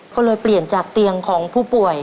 ก็เลยเปลี่ยนจากเตียงของผู้ป่วย